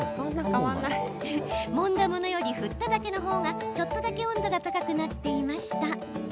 もんだものより振っただけの方が少し温度が高くなっていました。